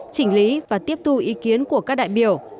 chỉnh lý và tiếp thu ý kiến của các đại biểu